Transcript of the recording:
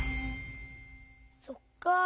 そっか。